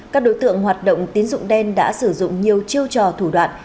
các đối tượng hoạt động tín dụng đen đã sử dụng nhiều chiêu trò thủ đoạn